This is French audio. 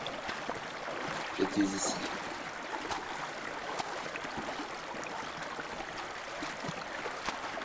J’étais ici.